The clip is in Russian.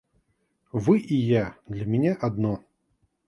Вы и я для меня одно.